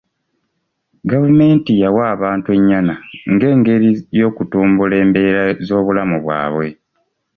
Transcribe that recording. Gavumenti yawa abantu ennyana ng'engeri y'okutumbula embeera z'obulamu bwabwe.